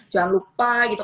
jangan lupa gitu